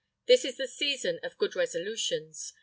This is the season of good resolutions.